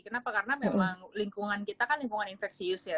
kenapa karena memang lingkungan kita kan lingkungan infeksius ya